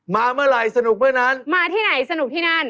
มาเมื่อไหร่สนุกเมื่อนั้นมาที่ไหนสนุกที่นั่น